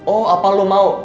oh apa lu mau